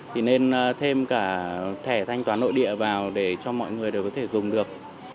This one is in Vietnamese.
thì nên thêm cả thẻ thanh toán nội địa vào để cho mọi người đều có thể dùng được